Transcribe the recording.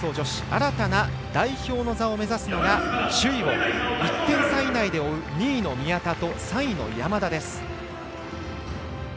新たな代表の座を目指すのが首位を１点差以内で追う２位の宮田と３位の山田です。